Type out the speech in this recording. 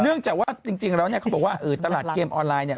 เนื่องจากว่าจริงแล้วเขาบอกว่าตลาดเกมออนไลน์